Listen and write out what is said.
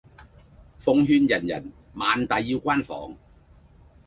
奉勸人人萬大要關防